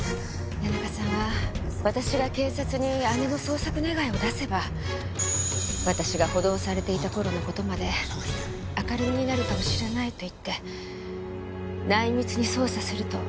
谷中さんは私が警察に姉の捜索願を出せば私が補導されていた頃の事まで明るみになるかもしれないと言って内密に捜査すると約束してくれました。